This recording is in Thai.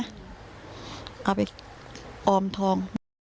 เอาไปออมทอง